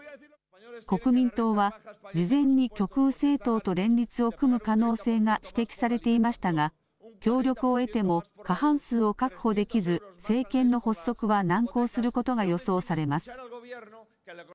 国民党は事前に極右政党と連立を組む可能性が指摘されていましたが協力を得ても過半数を確保できず政権の発足は難航することが予想されます。